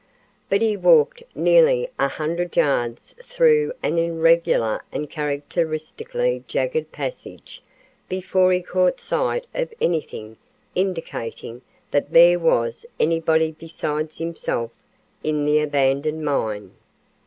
But he walked nearly 100 yards through an irregular and characteristically jagged passage before he caught sight of anything indicating that there was anybody besides himself in the abandoned mine.